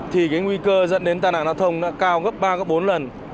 thì cái nguy cơ dẫn đến tai nạn đau thông đã cao gấp ba bốn lần